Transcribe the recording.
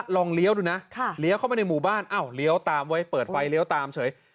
เลี้ยวดูนะเลี้ยวเข้ามาในหมู่บ้านอ้าวเลี้ยวตามไว้เปิดไฟเลี้ยวตามเฉย